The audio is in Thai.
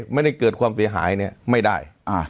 ไม่ได้เกิดความเสียหายเนี่ยไม่ได้